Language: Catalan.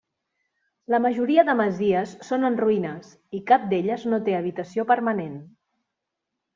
La majoria de masies són en ruïnes, i cap d'elles no té habitació permanent.